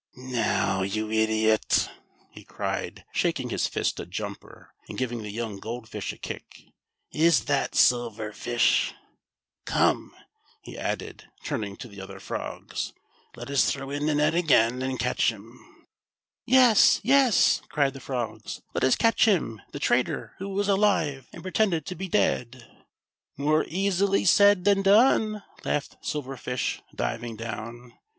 " Now, you idiot !" he cried, shaking his fist at Jumper, and giving the young Gold Fish a kick, "is that Silver Fish ! Come," he added, turning to the other frogs, "let us throw in the net again, and catch him !" "Yes, yes," cried the frogs, "let us catch him, the traitor, who was alive and pretended to be dead 1 " "More easily said than done!" laughed Silver Fish, diving down.